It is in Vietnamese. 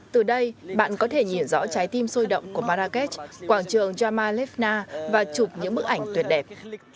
từ đây bạn có thể nhìn rõ trái tim sôi động của marrakesh quảng trường jamal e fna và chụp những bức ảnh tuyệt đẹp